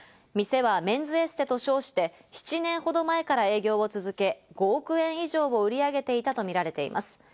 店はメンズエステと称して７年ほど前から営業を続け、５億円以上を売り上げていたとみられています。